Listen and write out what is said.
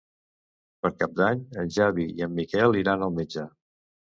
Per Cap d'Any en Xavi i en Miquel iran al metge.